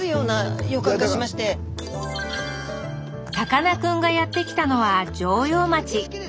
さかなクンがやって来たのは上陽町。